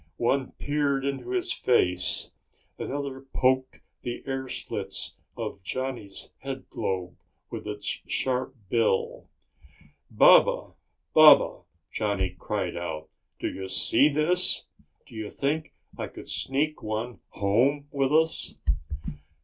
One peered into his face. Another poked the air slits of Johnny's headglobe with its sharp bill. "Baba! Baba!" Johnny cried out. "Do you see this? Do you think I could sneak one home with us?"